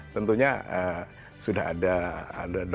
tentunya sudah ada dompet elektronik atau ada uangnya di situ ya